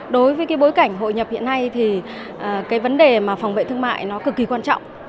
đối với bối cảnh hội nhập hiện nay thì vấn đề phòng vệ thương mại cực kỳ quan trọng